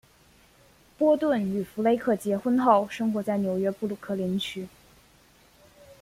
波顿与弗雷克结婚后生活在纽约布鲁克林区。